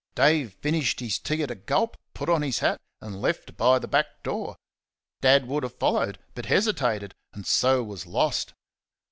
Dave finished his tea at a gulp, put on his hat, and left by the back door. Dad would have followed, but hesitated, and so was lost.